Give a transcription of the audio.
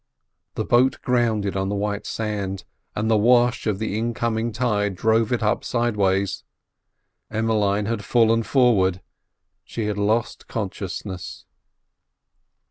The boat grounded on the white sand, and the wash of the incoming tide drove it up sideways. Emmeline had fallen forward; she had lost consciousness.